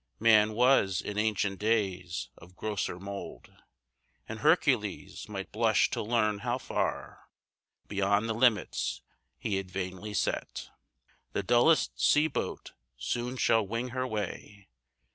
Man was in ancient days of grosser mould, And Hercules might blush to learn how far Beyond the limits he had vainly set The dullest sea boat soon shall wing her way.